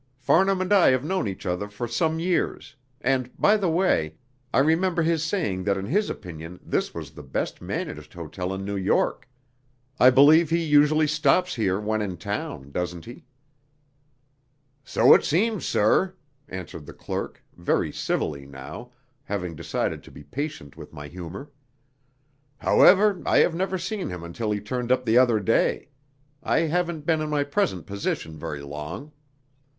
Farnham and I have known each other for some years; and, by the way, I remember his saying that in his opinion this was the best managed hotel in New York. I believe he usually stops here when in town, doesn't he?" "So it seems, sir," answered the clerk, very civilly now, having decided to be patient with my humour. "However, I had never seen him until he turned up the other day. I haven't been in my present position very long."